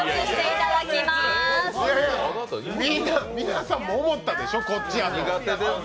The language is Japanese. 皆さんも思ったでしょ、こっちって。